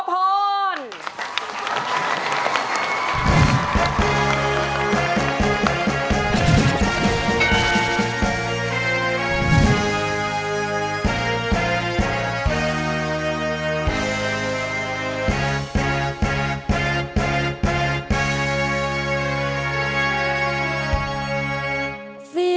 พร้อมครับ